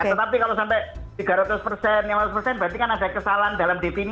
tetapi kalau sampai tiga ratus lima ratus berarti kan ada kesalahan dalam defini